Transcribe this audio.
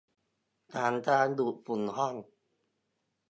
ฉันกำลังดูดฝุ่นห้อง